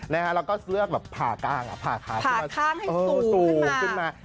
แล้วก็เลือกผ่าก้างผ่าข้างให้สูงขึ้นมา